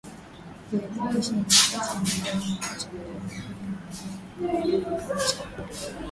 Viazi lishe ni kati ya mazao machache ambayo mizizi na majani huliwa kama chakula